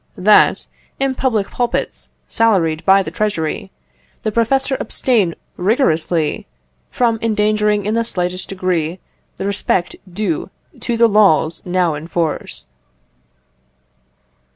"That, in public pulpits salaried by the treasury, the professor abstain rigorously from endangering in the slightest degree the respect due to the laws now in force."